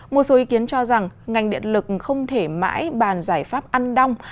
một số ý kiến cho rằng ngành điện lực không thể mãi bàn giải pháp ăn đông